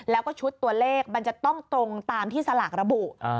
แล้วก็ชุดตัวเลขมันจะต้องตรงตามที่สลากระบุ